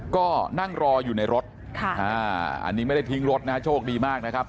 ก็นั่งรออยู่ในรถอันนี้ไม่ได้ทิ้งรถนะฮะโชคดีมากนะครับ